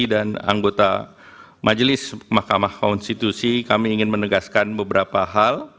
dan anggota majelis mahkamah konstitusi kami ingin menegaskan beberapa hal